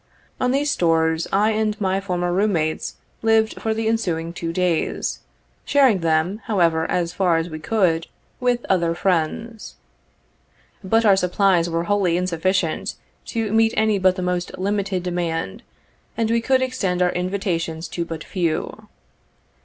On these stores, I and my former room mates lived for the ensuing two days, sharing them, however, as far as we could, with, 50 other friends. But our supplies were wholly insufficient to meet any but the most limited demand, and we could extend our invitations to but few.